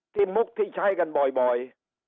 มุกที่ใช้กันบ่อย